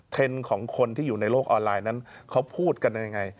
ของคนที่อยู่ในโลกออนไลน์นั้นเขาพูดกันยังไง